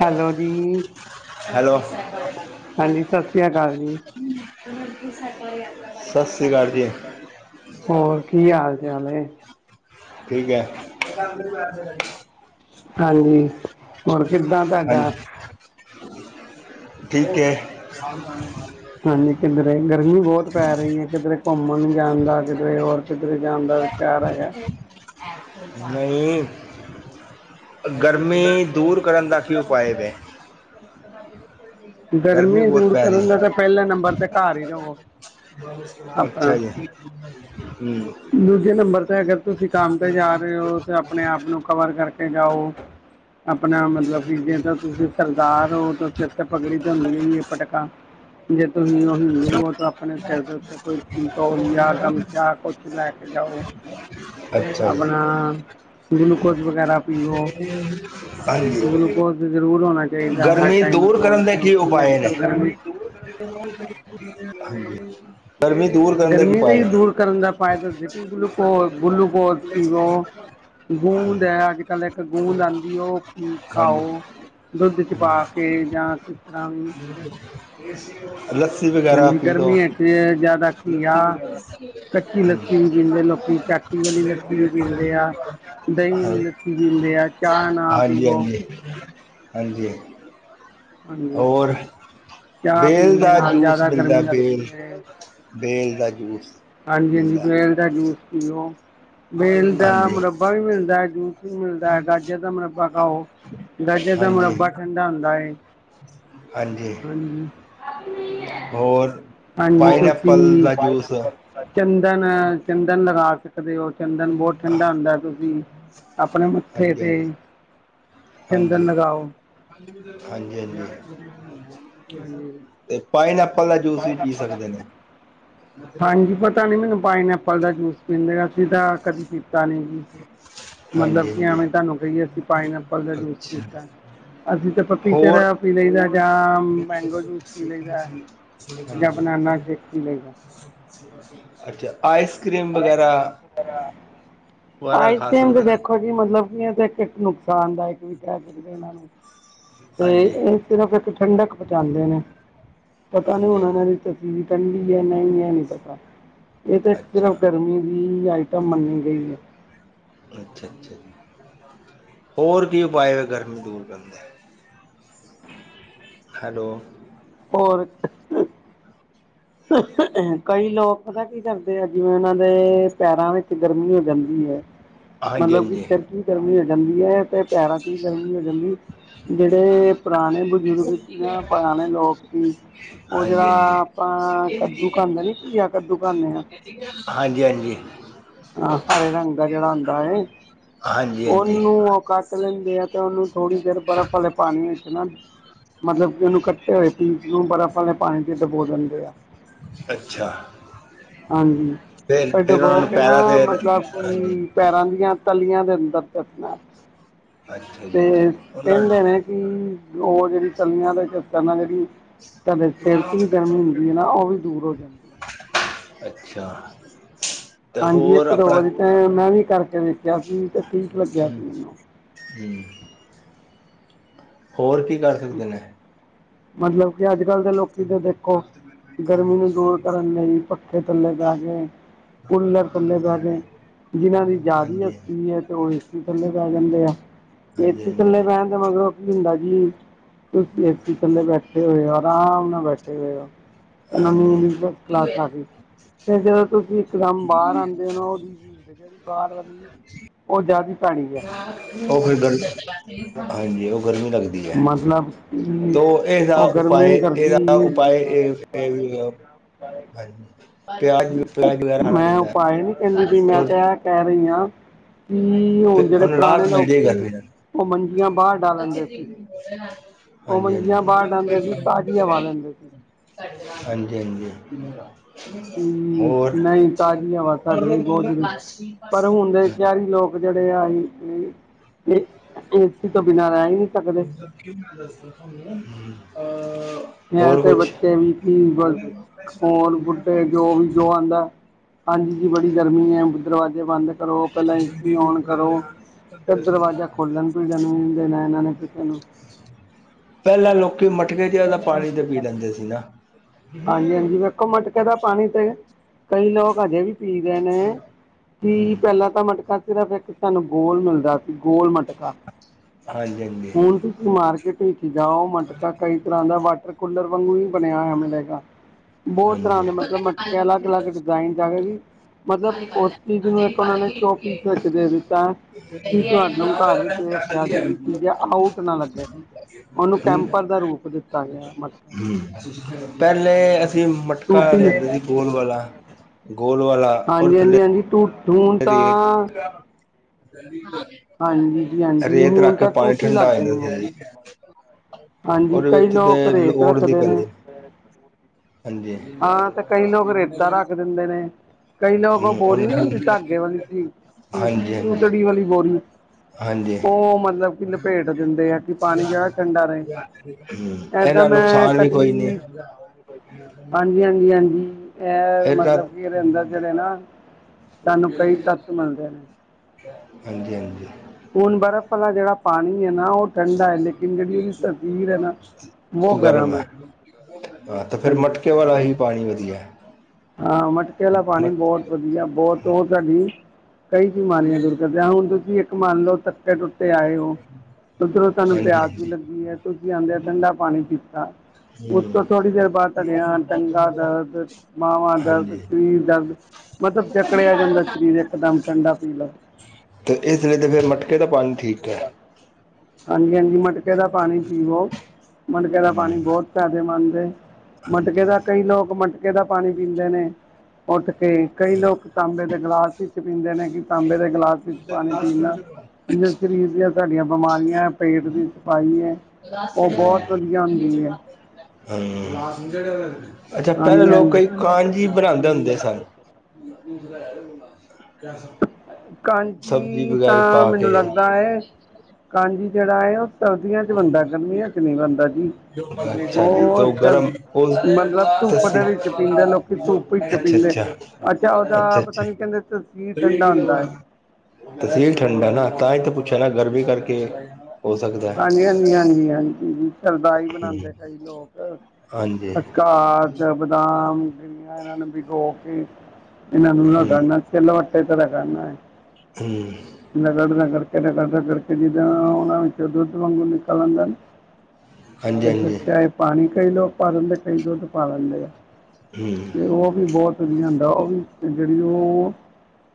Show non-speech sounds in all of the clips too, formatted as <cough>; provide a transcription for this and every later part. Hello ਜੀ hello ਹਾਂਜੀ ਸਤਿ ਸ੍ਰੀ ਅਕਾਲ ਜੀ ਸਤਿ ਸ਼੍ਰੀ ਅਕਾਲ ਜੀ- ਹੋਰ ਕੀ ਹਾਲ ਚਾਲ ਏ ਠੀਕ ਹੈ <unintelligible> ਹਾਂਜੀ ਹੋਰ ਕਿੱਦਾਂ ਤੁਹਾਡਾ- ਹਾਂਜੀ ਠੀਕ ਏ ਹਾਂਜੀ ਕਿੱਧਰੇ ਗਰਮੀ ਬਹੁਤ ਪੈ ਰਹੀ ਐ ਕਿਧਰੇ ਘੁੰਮਣ ਜਾਨਦਾ ਕਿਧਰੇ ਹੋਰ ਕਿੱਧਰੇ ਜਾਂਨਦਾ ਪਿਆਰ ਹੈਗਾ ਨਹੀਂ, ਗਰਮੀ ਦੂਰ ਕਰਨ ਦਾ ਕੀ ਉਪਾਏ ਵੇ ਗਰਮੀ ਬਹੁਤ ਦੂਰ ਪੈ ਰੀ, ਕਰਨ ਦਾ ਤਾਂ ਪਹਿਲੇ ਨੰਬਰ ਤੇ ਘਰ ਹੀ ਰਵੋ ਆਪਣਾ ਅੱਛਾ ਜੀ ਹੂੰ ਦੂਜੇ ਨੰਬਰ 'ਤੇ ਹੈਗਾ ਤੁਸੀਂ ਕੰਮ 'ਤੇ ਜਾ ਰਹੇ ਹੋ ਤੇ ਆਪਨੇ ਆਪ ਨੂੰ ਕਵਰ ਕਰਕੇ ਕੇ ਜਾਓ, ਆਪਨਾ ਮਤਲਬ ਕੀ ਜੇ ਤਾਂ ਤੁਸੀਂ ਸਰਦਾਰ ਹੋ ਤਾਂ ਸਿਰ ਤੇ ਪਗੜੀ ਬੰਨੀ ਏ ਪਟਕਾ ਜੇ ਤੁਸੀਂ ਉਹ ਹਿੰਦੂ ਓ ਤੇ ਆਪਣੇ ਸਿਰ ਦੇ ਉਤੇ ਕੋਈ ਤੌਲੀਆ ਗਮਛਾ ਕੁਛ ਤੁਸੀ ਲੈ ਕੇ ਜਾਓ ਅੱਛਾ ਅਪਣਾ ਜੀ ਗਲੂਕੋਜ਼ ਵਗੈਰਾ ਪੀਵੋ ਗਲੂਕੋਜ਼ ਹਾਂਜੀ ਕੋਜ਼ ਜ਼ਰੂਰ ਹੋਣਾ ਚਾਹੀਦਾ ਹਰ ਗਰਮੀ ਟਾਈਮ ਕੋਲ ਕਿਉਂਕਿ ਅੱਜ-ਕੱਲ ਗਰਮੀ ਹਾਂ, ਗਰਮੀ ਦੂਰ ਕਰਨ ਦੇ ਕੀ ਉਪਾਏ ਨੇ ਉਪਾਏ ਦਸਦੀ ਪਈ ਗੂਲੁਕੋਜ, ਗੂਲੁਕੋਜ਼ ਪੀਵੋ ਗੂੰਦ ਐ ਅੱਜ-ਕੱਲ ਇੱਕ ਗੂੰਦ ਆਂਦੀ ਉਹ ਹਾਂਜੀ ਖਾਓ ਦੁੱਧ ਇਚ ਪਾ ਹੂੰ, ਕੇ ਜਾਂ ਕਿਸ ਤਰ੍ਹਾਂ ਵੀ <unintelligible> ਲੱਸੀ ਵਗੈਰਾ ਹਾਂਜੀ ਪੀ ਲਓ ਗਰਮੀਆਂ 'ਚ ਤੇ ਜ਼ਿਆਦਾ ਘੀਆ, ਕੱਚੀ-ਲੱਸੀ ਹਾਂਜੀ ਪੀਂਦੇ ਲੋਕੀ ਚੱਕ ਚਾਟੀ ਵਾਲੀ ਲੱਸੀ ਵੀ ਪੀਂਦੇ ਆ, ਦਹੀਂ ਵਾਲੀ ਲੱਸੀ ਪੀਂਦੇ ਆ, ਚਾਹ ਨਾ ਪੀਵੋ ਹਾਂਜੀ-ਹਾਂਜੀ ਹਾਂਜੀ ਹੋਰ ਚਾਹ ਬੇਲ ਪੀਣ ਦੇ ਦਾ ਨਾਲ ਜੂਸ ਜ਼ਿਆਦਾ ਮਿਲਦਾ ਗਰਮੀ ਬੇਲ ਲੱਗਦੀ ਹੈ ਬੇਲ ਦਾ ਜੂਸ ਹਾਂਜੀ ਹਾਂਜੀ ਮਿਲਦਾ ਬੇਲ ਦਾ ਜੂਸ ਪੀਵੋ ਬੇਲ ਦਾ ਹਾਂਜੀ ਮੁਰੱਬਾ ਵੀ ਮਿਲਦਾ ਜੂਸ ਮਿਲਦਾ ਐ ਗਾਜਰ ਦਾ ਮੁਰੱਬਾ ਖਾਓ ਗਾਜਰ ਦਾ ਹਾਂਜੀ ਮੁਰੱਬਾ ਠੰਡਾ ਹੁੰਦਾ ਏ <unintelligible> ਹਾਂਜੀ ਹਾੰਜੀ ਹੋਰ ਹਾਂਜੀ ਪਾਈਨ ਐਪਲ ਤੁਸੀਂ ਦਾ ਜੂਸ ਚੰਦਨ ਚੰਦਨ ਲਗਾ ਕੇ ਕਦੇ ਔ ਚੰਦਨ ਬਹੁਤ ਠੰਡਾ ਹੁੰਦਾ ਤੁਸੀਂ ਆਪਨੇ ਮੱਥੇ ਹਾਂਜੀ ਤੇ ਹਾਂਜੀ ਹਾਂਜੀ, ਚੰਦਨ ਲਗਾਓ ਹਾਂਜੀ-ਹਾਂਜੀ। ਹਾਂਜੀ ਤੇ ਪਾਈਨ ਐਪਲ ਦਾ ਜੂਸ ਵੀ ਪੀ ਸਕਦੇ ਨੇ ਹਾਂਜੀ ਪਤਾ ਨੀ ਮੈਨੂੰ ਪਾਈਨ-ਐਪਲ ਦਾ ਜੂਸ ਪੀਂਦੇ ਆ ਅਸੀਂ ਤਾਂ ਕਦੀ ਪੀਤਾ ਨੀ ਜੀ <unintelligible> ਹਾਂਜੀ ਮਤਲਬ ਕਿ ਹਾਂਜੀ ਐਵੇਂ ਤੁਹਾਨੂੰ ਕਹੀਏ ਅਸੀਂ ਪਾਈਨ-ਐਪਲ ਦਾ ਜੂਸ ਅੱਛਾ ਪੀਤਾ ਅਸੀਂ ਤਾਂ ਪਪੀਤੇ ਹੋਰ ਦਾ ਪੀ ਲਈ ਦਾ ਜਾਂ ਮੈਂਗੋ ਜੂਸ ਪੀ ਲਈ ਦਾ ਜਾਂ ਹਾਂਜੀ ਬਨਾਨਾ ਸ਼ੇਕ ਪੀ ਲਈਦਾ। ਅੱਛਾ ਆਈਸ ਕੀ੍ਮ ਵ਼ਗੈਰਾ ਆਈਸ ਕੀ੍ਮ ਤੇ ਸਕਦੇ ਨੇ ਦੇਖੋ ਮਤਲਬ ਕੀ ਇਹ ਤੇ ਇੱਕ ਇੱਕ ਨੁਕਸਾਨਦਾੲਕ ਵੀ ਕੈ ਸਕਦੇ ਏਨਾਂ ਨੂੰ ਹਾਂਜੀ ਤੇ ਸਿਰਫ ਇੱਕ ਠੰਡਕ ਪੋਹਚਾਂਦੇ ਨੇ, ਪਤਾ ਨੀ ਹਾਂਜੀ ਹੁਨ ਹਾਂਜੀ ਏਨਾਂ ਦੀ ਤਸੀਰ ਠੰਡੀ ਐ, ਨਈ ਐ, ਏ ਨੀ ਪਤਾ ਏ ਤੇ ਸਿਰਫ ਅੱਛਾ ਗਰਮੀ ਦੀ ਆਈਟਮ ਮੰਨੀ ਗਈ ਏ। ਅੱਛਾ-ਅੱਛਾ ਜੀ। ਹੋਰ ਕੀ ਉਪਾਏ ਗਰਮੀ ਦੂਰ ਕਰਨ ਦੇ? ਹੈਲੋ ਹੋਰ ਕਈ ਲੋਕ ਪਤਾ ਕੀ ਕਰਦੇ ਆ ਜਿਵੇਂ ੳਨਾਂ ਦੇ ਪੈਰਾਂ ਵਿੱਚ ਗਰਮੀ ਹੋ ਜਾਂਦੀ ਐ ਹਾਂਜੀ ਮਤਲਬ ਕਿ ਹਾਂਜੀ ਸਿਰ ਚ ਵੀ ਗਰਮੀ ਹੋ ਜਾਂਦੀ ਐ ਤੇ ਪੈਰਾਂ ਤੇ ਗਰਮੀ ਹੋ ਜਾਂਦੀ ਜੇੜੇ ਪੁਰਾਨੇ ਬਜੁਰਗ ਸੀ ਨਾ, ਪੁਰਾਨੇ ਲੋਕ ਸੀ ਹਾਂਜੀ-ਹਾਂਜੀ। ਹਾਂ ਕੱਦੂ ਖਾਂਦੇ ਨੀ, ਘੀਆ-ਕੱਦੂ ਖਾਂਨੇ ਆ ਹਾਂਜੀ-ਹਾਂਜੀ। ਹਾਂ ਹਰੇ ਰੰਗ ਦਾ ਜੇੜਾ ਹੁੰਦਾ ਏ। ਹਾਂਜੀ ਹਾਂਜੀ ੳਨੂੰ ਉਹ ਕੱਟ ਲੈਂਦੇ ਆ ਤੇ ੳਨੂੰ ਥੋੜੀ ਦੇਰ ਬਰਫ ਵਾਲੇ ਪਾਨੀ ਵਿੱਚ ਨਾ ਮਤਲਬ ਕਿ ੳਨੂੰ ਕੱਟੇ ਹੋਏ ਪੀਸ ਨੂੰ ਬਰਫ ਵਾਲੇ ਪਾਨੀ ਵਿਚ ਡਬੋ ਦੇਂਦੇ ਆ। ਅੱਛਾ। ਹਾਂਜੀ, ਫਿਰ ਫੇਰ ਫਿਰ ਉਹਨਾਂ ਡਬੋ ਨੂੰ ਕੇ ਨਾ ਪੈਰਾਂ ਤੇ ਮਤਲਬ ਹਾਂਜੀ ਕਿ ਪੈਰਾਂ ਦੀਆਂ ਤਲੀਆਂ ਦੇ ਅੰਦਰ ਚਸਨਾ ਐ। ਅੱਛਾ ਜੀ ਅੱਛਾ ਤੇ ਉਹਨਾਂ ਨੂੰ ਕੈਂਦੇ ਨੇ ਕਿ ੳਹ ਜੇੜੀ ਤਲੀਆਂ ਤੇ ਚਸਨ ਨਾਲ ਜੇੜੀ ਤਾਡੇ ਸਿਰ ਤੇ ਵੀ ਗਰਮੀ ਹੁੰਦੀ ਐ ਨਾ ੳਹ ਵੀ ਦੂਰ ਹੋ ਜਾਂਦੀ ਹੈ ਅੱਛਾ। ਤੇ ਹਾਂਜੀ, ਹੋਰ ਇੱਕ-ਦੋ ਵਾਰੀ ਤੇ ਮੈਂ ਵੀ ਕਰਕੇ ਵੇਖ ਹੂੰ ਹੂੰ, ਹੋਰ ਕੀ ਕਰ ਸਕਦੇ ਨੇ ਮਤਲਬ ਤੇ ਅੱਜ ਕੱਲ ਦੇ ਲੋਕੀ ਤੇ ਦੇਖੋ ਗਰਮੀ ਨੂੰ ਦੂਰ ਕਰਨ ਲਈ ਪੱਖੇ ਥੱਲੇ ਬੈਠ ਕੇ ਕੂਲਰ ਥੱਲੇ ਬੈ ਗਏ, ਹਾਂਜੀ ਜਿਨਾਂ ਦੀ ਜਾਦੀ ਹਾਂਜੀ ਹਸਤੀ ਏ ਤੇ ੳਹ ਏਸੀ ਥੱਲੇ ਬੈ ਜਾਂਦੇ ਆ। ਹਾਂਜੀ ਏਸੀ ਹਾਂਜੀ ਥੱਲੇ ਬੈਣ ਦੇ ਮਗਰੋਂ ਕੀ ਹੁੰਦਾ ਐ ਜੀ ਤੁਸੀ ਏਸੀ ਥੱਲੇ ਬੈਠੇ ਹੋਏ ੳ, ਆਰਾਮ ਨਾਲ ਬੈਠੇ ਹੋਏ ੳ ਏਨਾਂ ਦੀ ਹਾਂਜੀ ਮਿਡਲ ਕਲਾਸ ਆ ਗਈ ਫਿਰ ਜਦੋਂ ਤੁਸੀਂ <inaudible> ਤੇ ਜੇੜੀ ਬਾਹਰ ਵਾਲੀ ੳਹ ਜਾਦੀ ਭੈੜੀ ਏ। ੳਹ ਫੇਰ ਗਰ ਹਾਂਜੀ ੳਹ ਗਰਮੀ ਲੱਗਦੀ ਐ। ਮਤਲਬ ਕਿ ਤੋ ਏਦਾ ਉਹ ਉਪਾਏ, ਗਰਮੀ ਏਦਾ ਕਰਦੀ ਉਪਾਏ ਏ <inaudible> ਪਿਆਜ ਪਲਾਜ ਵਗੈਰਾ ਖਾਨਾ ਚਾਈਦਾ ਐ ਹੋਰ ਕੈ ਰਈ ਆਂ ਕਿ ਹੁਨ ਫਿਰ ਜੇੜੇ ਹੁਣ ਪੁਰਾਨੇ ਰਾਤ ਲੋਕ ਮਿਲਜੇ ਗਾ ਸੀ ਫਿਰ ੳ ਮੰਜੀਆਂ ਬਾਹਰ ਡਾ ਲੈਂਦੇ ਸੀ। <inaudible> ੳਹ ਮੰਜੀਆਂ ਬਾਹਰ ਡਾਂਦੇ ਸੀ, ਹਾਂਜੀ ਤਾਜੀ ਹਵਾ ਲੈਂਦੇ ਸੀ। ਹਾਂਜੀ ਹਾਂਜੀ ਕਿ ਹੋਰ ਨਹੀਂ ਤਾਜ਼ੀ ਹਵਾ ਸਾਡੇ ਲਈ ਬਹੁਤ ਜ਼ਰੂਰੀ ਹੈ ਪਰ ਹੁਣ ਦੇ ਸ਼ਹਿਰੀ ਲੋਕ ਜਿਹੜੇ ਆਏ ਸੀ ਏ ਸੀ ਤੋਂ ਬਿਨਾਂ ਰਹਿ ਹੀ ਨਹੀਂ ਸਕਦੇ ਮ ਅ ਇਹ ਤੇ ਬੱਚੇ ਵੀ ਸੀ ਬਸ ਹੋਰ ਬੁੱਢੇ ਜੋ ਵੀ ਜੋ ਆਉਂਦਾ ਹਾਂਜੀ ਜੀ ਬੜੀ ਗਰਮੀ ਹੈ ਦਰਵਾਜ਼ੇ ਬੰਦ ਕਰੋ ਪਹਿਲਾਂ ਏ ਸੀ ਔਨ ਕਰੋ ਫਿਰ ਦਰਵਾਜ਼ਾ ਖੋਲਣ ਨੀ ਦੇਣਾ ਇਹਨਾਂ ਨੇ ਕਿਸੇ ਨੂੰ ਪਹਿਲਾਂ ਲੋਕੀ ਮਟਕੇ ਜ ਉਹਦਾ ਪਾਣੀ ਤੇ ਪੀ ਲੈਂਦੇ ਸੀ ਨਾ ਹਾਂਜੀ ਹਾਂਜੀ ਵੇਖੋ ਮਟਕੇ ਦਾ ਪਾਣੀ ਤੇ ਕਈ ਲੋਕ ਹਜੇ ਵੀ ਪੀ ਨੇ ਕਿ ਪਹਿਲਾਂ ਤਾਂ ਮਟਕਾ ਸਿਰਫ ਇੱਕ ਸਾਨੂੰ ਬੋਲ ਮਿਲਦਾ ਸੀ ਗੋਲ ਮਟਕਾ ਹਾਂਜੀ ਹੁਣ ਤੁਸੀਂ ਮਾਰਕੀਟ ਵਿੱਚ ਜਾਓ ਮਟਕਾ ਕਈ ਤਰ੍ਹਾਂ ਦਾ ਹੈ ਕੂਲਰ ਵਾਂਗੂ ਹੀ ਬਣਿਆ ਹੋਇਆ ਮਿਲੇਗਾ। ਬਹੁਤ ਤਰ੍ਹਾਂ ਹਾਂਜੀ ਦੇ ਮਤਲਬ ਮਟਕੇ ਅਲੱਗ ਅਲੱਗ ਹਾਂਜੀ ਡਿਜ਼ਾਇਨ ਜਾਵੇਗੀ ਮਤਲਬ ਉਸ ਚੀਜ਼ ਨੂੰ ਇੱਕ ਉਹਨਾਂ ਨੇ ਚੋਪਿੰਸ ਘੱਟ ਦੇ ਦਿੱਤਾ ਹੈ ਕਿ ਤੁਹਾਨੂੰ ਘਰ ਵਿੱਚ ਰੱਖਿਆ ਜਿਹੜੀ ਚੀਜ਼ ਹੈ ਆਊਟ ਨਾ ਲੱਗੇ ਉਹਨੂੰ ਕੈਂਪਰ ਦਾ ਰੂਪ ਦਿੱਤਾ ਗਿਆ ਹੈ ਮਟਕੇ ਨੂੰ ਪਹਿਲੇ ਅ ਤੇ ਮਟਕਾ ਟੂਟੀ ਲਿਆਂਦਾ ਸੀ ਗੋਲ ਵਾਲਾ ਗੋਲ ਵਾਲਾ ਔਰ ਹਾਂਜੀ, ਥੱਲੇ ਹਾਂਜੀ, ਹਾਂਜੀ ਤੂੰ ਹੁਨ ਰੇਤ ਤਾਂ। ਹਾਂਜੀ ਜੀ ਹਾਂਜੀ ਰੇਤ ਹੁਣ ਰੱਖ ਕੇ ਤਾਂ ਪਾਨੀ ਟੂਟੀ ਲੱਗ ਠੰਡਾ ਗਈ ਹੋ ਮੂੰਹ ਜਾਂਦਾ। ਹਾਂਜੀ ਉਹਦੇ ਕਈ ਵਿੱਚ ਤੇ ਲੋਕ ਰੇਤ ਲੋੜ ਨੀ ਰੱਖਦੇ ਨੇ। ਪੈਂਦੀ ਹਾਂਜੀ ਹਾਂ ਤੇ ਕਈ ਲੋਕ ਰੇਤਾ ਰੱਖ ਦਿੰਦੇ ਨੇ। ਕਈ ਲੋਕ ਔਹ ਬੋਰੀ ਨਹੀਂ ਹੁੰਦੀ ਧਾਗੇ ਵਾਲੀ ਹਾਂਜੀ ਹਾਂਜੀ ਸੂਤੜੀ ਵਾਲੀ ਬੋਰੀ। ਹਾਂਜੀ ਉਹ ਮਤਲਬ ਕਿ ਲਪੇਟ ਦਿੰਦੇ ਆ ਕਿ ਪਾਨੀ ਜੈੱਦਾ ਠੰਡਾ ਰਹੇ। ਏਦਾਂ ਏਦਾ ਮੈਂ ਨੁਕਸਾਨ ਵੀ ਕੋਈ ਨੀ। ਕਦੀ ਹਾਂਜੀ, ਹਾਂਜੀ, ਹਾਂਜੀ ਏਹ ਇਹਦਾ ਮਤਲਬ ਕਿ ਏਦੇ ਅੰਦਰ ਜੇਹੜੇ ਨਾ ਸਾਨੂੰ ਕਈ ਤੱਤ ਮਿਲਦੇ ਨੇ। ਹਾਂਜੀ ਹਾਂਜੀ ਹੁਨ ਬਰਫ਼ ਵਾਲਾ ਜੇਹੜਾ। ਪਾਨੀ ਏ ਨਾ ਔਹ ਠੰਢਾ ਐ ਲੇਕਿਨ ਜਿਹੜੀ ਏਦੀ ਤਸੀਰ ਐ ਨਾ ਔਹ ਗਰਮ ਐ। ਆ ਤੇ ਫੇਰ ਮਟਕੇ ਵਾਲਾ ਈ ਪਾਨੀ ਵਧੀਐ। ਆ ਮਟਕੇ ਵਾਲਾ ਪਾਨੀ ਬੋਹਤ ਵਧੀਆ ਬਹੁਤ ਉਹ ਤਾਂ ਜੀ। ਕਈ ਬਿਮਾਰੀਆਂ ਦੂਰ ਕਰਦੀਆਂ ਐ ਹੁਨ ਤੁਸੀ ਇੱਕ ਮੰਨ ਲਓ ਥੱਕੇ ਟੁੱਟੇ ਆਏ ਔ। ਉਧਰੋਂ ਤੁਹਾਨੂੰ ਹਾਂਜੀ ਪਿਆਸ ਵੀ ਹਾਂਜੀ ਲੱਗੀ ਐ ਤੁਸੀਂ ਆਂਦੇ ਠੰਡਾ ਪਾਨੀ ਪੀਤਾ। ਉਸ ਹਮ ਤੋਂ ਥੋੜ੍ਹੀ ਦੇਰ ਬਾਅਦ ਤੁਹਾਡੀਆਂ ਟੰਗਾ ਦਰਦ ਬਾਵਾਂ ਦਰਦ ਹਾਂਜੀ ਸਰੀਰ ਦਰਦ ਮਤਲਬ ਜਕੜਿਆ ਜਾਂਦਾ ਸਰੀਰ ਇੱਕ ਦਮ ਠੰਡਾ ਪੀ ਲਓ ਤੇ ਇਤਨੇ ਤੇ ਫੇਰ ਮਟਕੇ ਦਾ ਪਾਨੀ ਠੀਕ ਐ। ਹਾਂਜੀ, ਹਾਂਜੀ ਮਟਕੇ ਦਾ ਪਾਨੀ ਪੀਵੋ ਮਟਕੇ ਦਾ ਹਮ ਪਾਨੀ ਬੋਹਤ। ਫਾਇਦੇਮੰਦ ਏ ਮਟਕੇ ਹਾਂਜੀ ਦਾ ਹਾਂ ਕਈ ਲੋਕ ਮਟਕੇ ਦਾ ਪਾਨੀ ਪੀਂਦੇ ਨੇ। ਉਠ ਕੇ ਕਈ ਲੋਕ ਤਾਂਬੇ ਦੇ ਗਿਲਾਸ ਵਿੱਚ ਪੀਂਦੇ ਨੇ ਕਿ ਤਾਂਬੇ ਦੇ ਗਿਲਾਸ ਵਿੱਚ ਪਾਨੀ ਪੀਨ ਨਾਲ <unintelligible> ਜੇ ਸਰੀਰ ਦੀਆਂ ਸਾਡੀਆਂ ਬਿਮਾਰੀਆਂ ਪੇਟ ਦੀ ਸਫਾਈ ਐ। ਬੁਖਾਰ ਚੜਿਆ ਹੋਇਆ ਮੀਂਹ ਚ <unintelligible> ਨਾਤੇ ਨਾ ਅੱਛਾ ਪਹਿਲੇ ਹਾਂਜੀ ਲੋਕ ਕਈ ਹਾਂਜੀ ਕਾਂਜੀ ਬਣਾਦੇ ਹੁੰਦੇ ਸਨ। <unintelligible> ਸਬਜ਼ੀ ਕਾਂਜੀ ਵਗੈਰਾ ਤਾਂ ਪਾ ਕੇ ਮੈਨੂੰ ਲੱਗਦਾ ਐ, ਕਾਂਜੀ ਜੇਹੜਾ ਐ। ਸਰਦੀਆਂ ਚ ਬੰਦਾ ਗਰਮੀਆਂ ਚ ਨੀ ਬਨਦਾ ਜੀ। ਅੱਛਾ ਜੀ, ਤੇ ਉਹ ਔਹ ਚਲ ਗਰਮ ਔਹ ਮਤਲਬ ਧੁੱਪ ਦੱਸੀ ਦੇ ਵਿੱਚ ਪੀਂਦੇ ਲੋਕੀ ਧੁੱਪ ਵਿੱਚ ਅੱਛਾ- ਪੀਂਦੇ ਅੱਛਾ। ਅੱਛਾ ਉਹਦਾ ਪਤਾ ਅੱਛਾ-ਅੱਛਾ ਨੀ ਕਹਿੰਦੇ ਤਸੀਰ ਏਹ ਠੰਡਾ ਕੀ ਹੁੰਦਾ ਲਗਵਾ। ਹੈ। ਤਸੀਰ ਠੰਡਾ ਨਾ ਤਾਂ ਈ ਤਾਂ ਪੁੱਛਿਆ ਨਾ ਗਰਮੀ ਕਰਕੇ ਹੋ ਸਕਦਾ ਐ। ਜੀ ਹਾਂਜੀ- ਹਾਂਜੀ, ਹਾਂਜੀ ਸਰਧਾਈ ਹੂੰ ਬਨਾਦੇ ਕਈ ਲੋਕ। ਹਾਂਜੀ ਖਚਕਾਸ, ਬਦਾਮ ਗਿਰੀਆਂ ਇਨਾ ਨੂੰ ਭਿਗੋ ਕੇ ਏਨਾਂ ਨੂੰ ਹੂੰ ਰਗੜਨਾ। ਤੇ <unintelligible> ਰਗੜਨਾ ਐ। ਹੂੰ। ਨਗੱੜ- ਨਗੱੜ ਨਾਗੱੜਦਾ ਕਰਕੇ ਜੀ। ਹਾਂਜੀ। ਔਥੇ ਦੁਧ ਮਂਗਨੂੰ ਨਿਕਲ ਆਂਦੈ, ਹਾਂਜੀ ਏਥੇ ਹਾਂਜੀ ਸੈ਼ੱਦ। ਪਾਨੀ ਕਈ ਲੋਕ ਪਾ ਲੈਂਦੇ ਕਈ ਦੁੱਧ ਪਾ ਲੈਂਦੇ ਆ। ਹੂੰ ਤੇ ਔਹ ਵੀ ਬੋਤ ਵਧੀਆ ਹੁੰਦਾ ਔਹ ਵੀ ਜੇੜੀ ਔ ਆ ਐ।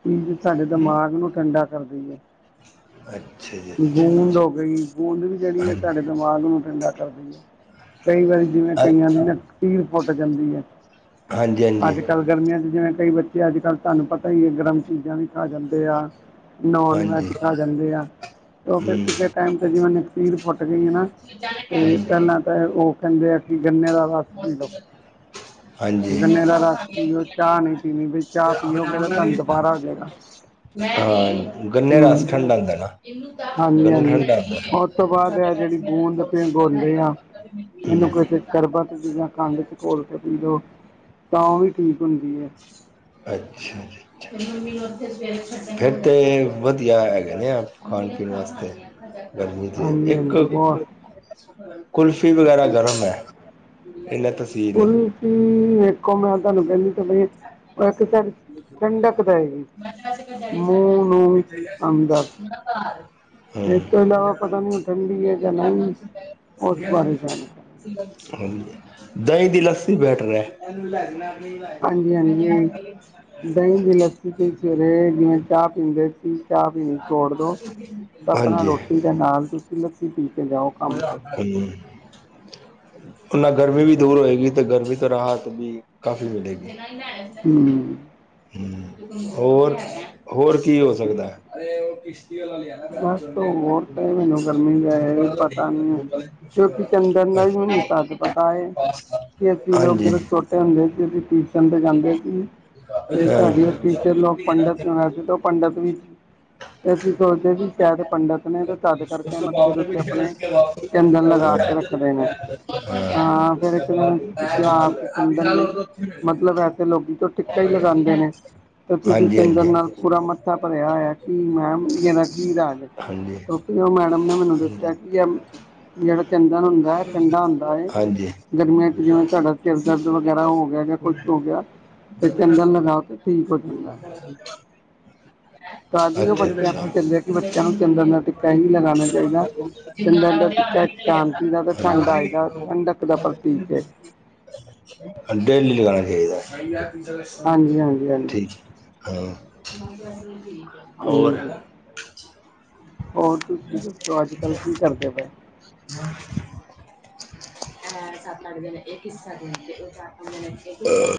ਪੀ ਕੇ ਸਾਡੇ ਦਿਮਾਗ ਨੂੰ ਠੰਡਾ ਕਰਦੀ ਐ। ਅੱਛਾ ਜੀ ਅੱਛਾ- ਅੱਛਾ। ਹੋ ਗਈ ਗੂੰਦ ਵੀ ਜੇਹੜੀ ਐ ਤੁਹਾਡੇ ਹਾਂਜੀ ਦਿਮਾਗ ਨੂੰ ਠੰਡਾ ਕਰਦੀ ਐ ਕਈ ਵਾਰੀ ਜਿਵੇ ਅ ਕਈਆਂ ਨੇ ਨਾ ਸੀਰ ਫੁੱਟ ਜਾਂਦੀ ਐ। ਹਾਂਜੀ ਹਾਂਜੀ ਅੱਜ ਕੱਲ ਗਰਮੀਆਂ ਚ ਜਿਵੇਂ ਕਈ ਬੱਚੇ ਅੱਜ ਕੱਲ ਤੁਹਾਨੂੰ ਪਤਾ ਕਈ ਗਰਮ ਚੀਜ਼ਾਂ ਵੀ ਖਾ ਜਾਂਦੇ ਆ ਨੋਨ ਹਾਂਜੀ ਵੈਜ ਖਾ ਜਾਂਦੇ ਆ। ਔਹ ਫੇਰ ਹੂੰ ਕਿਸੇ ਟਾਈਮ ਤੇ ਜਿਵੇਂ ਨਕਸੀਰ ਫੁੱਟ ਗਈ ਏ ਨਾ, ਤੇ ਹੂੰ ਪਹਿਲਾਂ ਤੇ ਔਹ ਕਹਿੰਦੇ ਆ ਕਿ ਗੰਨੇ ਦਾ ਰਸ। ਮੈਂ ਪੀ ਉਸਕੇ ਲਓ ਘਰ ਗਈ। ਹਾਂਜੀ, ਗੰਨੇ ਦਾ ਰਸ ਪੀਓ ਚਾਹ ਨਹੀਂ ਪੀਣੀ ਵੀ ਚਾਹ ਤੇ ਅਪਣੇ ਪੀਓਗੇ ਅਮਰ ਤਾਂ ਨਾਲ ਨੀ ਤੁਹਾਨੂੰ ਦੁਬਾਰਾ ਹੋ ਜਾਏਗਾ ਕੀਤਾ। ਹਾਂ, ਗੰਨੇ ਰਸ ਹੂੰ ਠੰਡਾ ਹੁੰਦਾ ਏ ਨਾ। ਹਾਂਜੀ - ਗੰਨਾ ਹਾਂਜੀ, ਠੰਡਾ ਓਸ ਤੋਂ ਬਾਦ ਐ ਜੇੜੀ ਗੋਂਦ ਪਿਘੋਂਦੇ ਆ। ਇਨੂੰ ਹੁੰਦਾ ਕਿਸੇ ਸ਼ਰਬਤ ਚ ਯਾ ਖੰਡ ਹੂੰ ਚ ਘੋਲ ਕੇ ਪੀਂਜੌ। ਤਾਂ ਵੀ ਠੀਕ ਹੁੰਦੀ ਏ। ਅੱਛਾ ਜੀ- ਅੱਛਾ ਜੀ, ਫੇਰ ਤੇ ਵਧੀਆ ਹੈਗੇ ਨੇ ਆ। ਖਾਣ - ਪੀਣ ਵਾਸਤੇ ਗਰਮੀ ਚ ਹਾਂਜੀ ਇੱਕ ਹਾਂਜੀ ਬਹੁਤ ਕੁਲਫ਼ੀ ਵਗੈਰਾ ਗਰਮ ਐ, ਐਨਾ ਤਸੀਦ। ਕੀ ਵੇਖੋ ਮੈਂ ਤਾਨੂੰ ਕੈਂਦੀ ਤੇ ਪਈ ਆ, ਪਾਕਿਸਤਾਨ ਮੈਂ ਤੇ ਵੈਸੇ ਕਿਹਾ ਤੁਹਾਡੀ ਛੱਡ ਮੂੰਹ ਆਣਗੇ, ਨੂੰ ਅੰਦਰ ਮੇਰਾ ਭਰਾ ਏ, ਇਸ ਤੋਂ ਇਲਾਵਾ ਪਤਾ ਨੀ ਓ ਠੰਡੀ ਏ ਜਾਂ ਨਈ ਓਸ ਬਾਰੇ ਜਾਣ ਹਾਂਜੀ, ਦਈ ਦੀ ਲੱਸੀ ਬੈਟਰ ਐ। ਹਾਂਜੀ - ਹਾਂਜੀ, ਦਈ ਦੀ ਲੱਸੀ ਤੇ ਸਵੇਰੇ ਮੈ ਚਾ ਪੀਂਦੇ ਸੀ। ਚਾ ਪੀਣੀ ਛੋੜ ਦੋ। ਅਪਣਾ ਹਾਂਜੀ ਰੋਟੀ ਦੇ ਨਾਲ ਤੁਸੀਂ ਲੱਸੀ ਪੀ ਕੇ ਜਾਓ। ਕੰਮ 'ਤੇ ਹੂੰ। ਓਨਾਂ ਗਰਮੀ ਵੀ ਦੂਰ ਹੋਏਗੀ ਤੇ ਗਰਮੀ ਤੋਂ ਰਾਹਤ ਵੀ ਕਾਫ਼ੀ ਮਿਲੇਗੀ। ਹੂੰ। ਹੂੰ ਹੋਰ, ਹੋਰ ਕੀ ਹੋ ਸਕਦਾ ਐ? <unintelligible> ਬਸ ਹੋਰ ਤਾਂ ਮੈਨੂੰ ਗਰਮੀ ਦਾ ਇਹ ਪਤਾ ਨਹੀਂ ਹੈ ਕਿਉਂਕਿ ਚੰਦਨ ਦਾ ਵੀ ਮੈਨੂੰ ਤੱਦ ਪਤਾ ਏ, ਕੇ ਅਸੀਂ ਲੋਗ ਜਦੋਂ ਛੋਟੇ ਹੁੰਦੇ ਸੀ ਅਸੀ ਕੀ ਹੁੰਦੇ ਜਾਂਦੇ ਸੀ। ਤੇ ਸਾਡੀ ਓ ਟੀਚਰ ਲੋਕ ਪੰਡਿਤ ਵੈਸੇ ਤੇ ਓ ਪੰਡਿਤ ਵੀ ਕਿਉਂਕਿ, ਸੋਚਦੇ ਸੀ ਸ਼ੈਦ ਓ ਪੰਡਿਤ ਨੇ ਤੇ ਤਦ ਉਸ ਕਰਕੇ ਤੋਂ ਮੱਥੇ ਬਾਅਦ ਦੇ ਨੇ ਵੀ ਉੱਤੇ ਅਪਣੇ ਉਸਕੇ ਵਾਪਸ ਤੋਂ ਨਹੀਂ ਚੰਦਨ ਲਗਾ ਆਉਂਗੇ ਕੇ ਅੱਜ ਤੋਂ ਰੱਖਦੇ ਨੇ। ਹਾਂ ਫਿਰ ਉਸਕੇ ਇੱਕ ਬਾਅਦ ਦਿਨ ਅਸੀ ਆ ਪੁੱਛਿਆ ਆਪ ਚੰਦਨ ਵਿਸ਼ਾਲ ਬਈ ਔਰ ਤੋਂ ਉੱਥੇ ਮ ਮਿਲਦੇ ਮਤਲਬ ਹਾਂ ਐਸੇ ਲੋਕੀ ਤੋ ਟਿੱਕਾ ਈ ਲਗਾਂਦੇ ਨੇ। ਤੇ ਤੁਸੀਂ ਹਾਂਜੀ ਚੰਦਨ ਨਾਲ ਪੂਰਾ ਮੱਥਾ ਭਰਿਆ ਹੋਇਐ ਕੀ ਮੈਮ ਏਦਾ ਕੀ ਰਾਜ ਏ। ਹਾਂਜੀ ਹਾਂਜੀ ਕਿਉਕਿ ਓ ਮੈਡਮ ਨੇ ਮੈਨੂੰ ਹਾਂਜੀ ਦੱਸਿਆ ਕੀ ਐ ਜੇੜਾ ਚੰਦਨ ਹੁੰਦਾ ਏ ਠੰਡਾ ਹੁੰਦਾ ਏ। ਹਾਂਜੀ ਗਰਮੀਆਂ 'ਚ ਜਿਵੇਂ ਤੁਆਡਾ ਸਿਰ ਦਰਦ ਵਗੈਰਾ ਹੋ ਗਿਆ ਜਾਂ ਕੁਛ ਹੋ ਗਿਆ ਤੇ ਚੰਦਨ ਲਗਾਓ ਤੇ ਠੀਕ ਹੋ ਜਾਂਦਾ। <inaudible> ਤਦ ਈ ਬ ਆ ਕਿ ਬੱਚਿਆਂ ਨੂੰ ਚੰਦਨ ਦਾ ਟਿੱਕਾ ਹੀ ਲਗਾਣਾ ਚਾਈਦਾ ਚੰਦਨ ਦਾ ਟਿੱਕਾ ਸ਼ਾਂਤੀ ਦਾ ਤੇ ਠੰਡਾਈ ਦਾ ਠੰਡਕ ਦਾ ਪਰਤੀਕ ਏ। ਅਗੇ ਕੀ ਲਗਾਣਾ ਚਾਈਦਾ ਹਾਂਜੀ ਹਾਂਜੀ ਹਾਂਜੀ ਠੀਕ ਏ। ਹਾਂ ਹਾਂਜੀ ਹੋਰ ਜੀ ਹੋਰ ਤੁਸੀ ਦੱਸੋ ਅੱਜ ਕੱਲ ਕੀ ਕਰਦੇ ਪਏ। ਐ ਸਤ-ਅੱਠ ਜਨੇ ਇੱਕ ਹਿੱਸਾ ਦੇਨਗੇ ਸਾਨੂੰ <inaudible>